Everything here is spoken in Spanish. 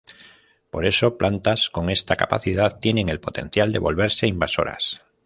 Por eso plantas con esta capacidad tienen el potencial de volverse invasoras.